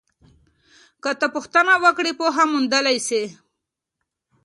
که ته پوښتنه وکړې پوهه موندلی سې.